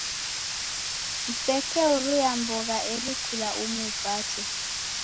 Msekeuruya mbogha eri kula umu upate.